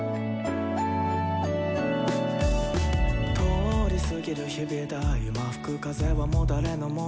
「通り過ぎる日々だ今吹く風はもう誰の物？」